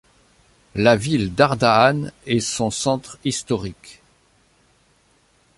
La ville d'Ardahan est son centre historique.